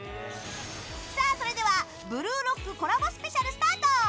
さあ、それでは「ブルーロック」コラボスペシャルスタート！